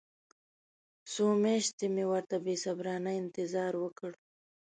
څو میاشتې مې ورته بې صبرانه انتظار وکړ.